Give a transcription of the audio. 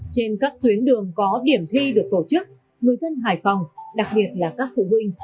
trên các tuyến đường có điểm thi được tổ chức người dân hải phòng đặc biệt là các phụ huynh